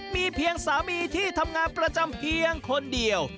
มีเพียงสามีที่ทำงานประจำเพียงคนเดียว